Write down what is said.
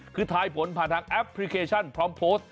คือทายผลผ่านทางแอปพลิเคชันพร้อมโพสต์